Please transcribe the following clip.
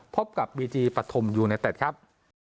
พบกับบีจีปฐมยูเนเต็ดครับ